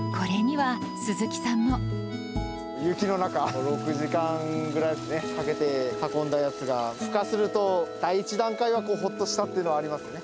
雪の中、６時間ぐらいですね、かけて運んだやつが、ふ化すると、第１段階はほっとしたっていうのはありますね。